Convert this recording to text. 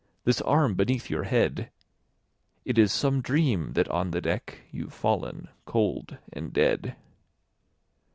This arm beneath your head! It is some dream that on the deck 15 You've fallen cold and dead.